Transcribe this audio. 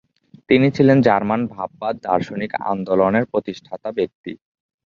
তিনি ছিলেন জার্মান ভাববাদ দার্শনিক আন্দোলনের প্রতিষ্ঠাতা ব্যক্তি।